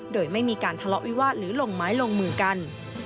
โดยไม่มีการทะเลาะวิวาสหรือลงไม้ลงมือกัน